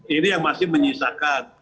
ini yang masih menyisakan